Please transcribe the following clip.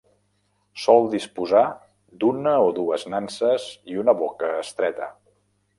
Sol disposar d'una o dues nanses i una boca estreta.